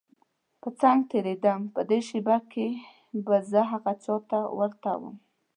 په څنګ تېرېدم په دې شېبه کې به زه هغه چا ته ورته وم.